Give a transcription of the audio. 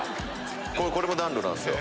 これ暖炉なんすよ。